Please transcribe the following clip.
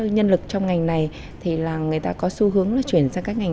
nhân lực trong ngành này là người ta có xu hướng chuyển